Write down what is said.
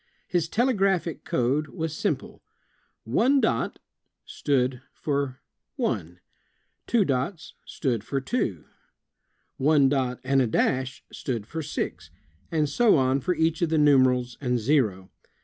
His telegraphic code was simple. One dot '^" stood for "i". Two dots '^." stood for " 2 ". One dot ''." and a dash "—" stood for "6'', and so on for each of the numerals and zero.